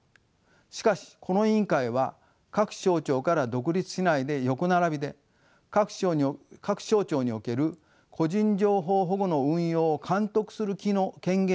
しかしこの委員会は各省庁から独立しないで横並びで各省庁における個人情報保護の運用を監督する権限にとどまりました。